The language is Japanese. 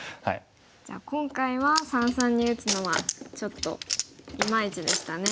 じゃあ今回は三々に打つのはちょっといまいちでしたね。